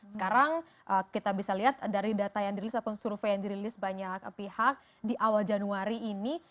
sekarang kita bisa lihat dari data yang dirilis ataupun survei yang dirilis banyak pihak di awal januari ini